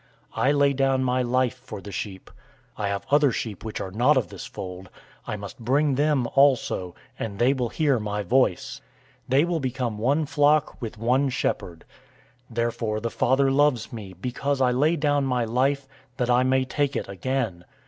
I lay down my life for the sheep. 010:016 I have other sheep, which are not of this fold.{Isaiah 56:8} I must bring them also, and they will hear my voice. They will become one flock with one shepherd. 010:017 Therefore the Father loves me, because I lay down my life,{Isaiah 53:7 8} that I may take it again.